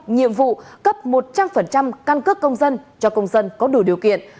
nhiệm vụ cấp một trăm linh căn cước công dân cho công dân có đủ điều kiện